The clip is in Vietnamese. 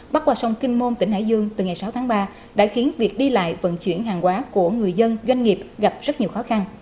bắt qua sông kinh môn tỉnh hải dương từ ngày sáu tháng ba đã khiến việc đi lại vận chuyển hàng quá của người dân doanh nghiệp gặp rất nhiều khó khăn